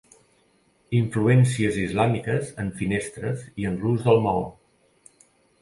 Influències islàmiques en finestres i en l'ús del maó.